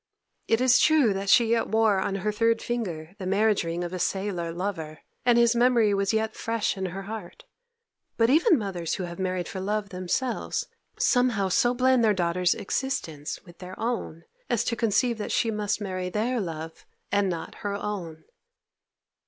It is true that she yet wore on her third finger the marriage ring of a sailor lover, and his memory was yet fresh in her heart; but even mothers who have married for love themselves somehow so blend their daughter's existence with their own as to conceive that she must marry their love and not her own.